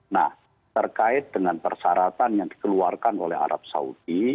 nah terkait dengan persyaratan yang dikeluarkan oleh arab saudi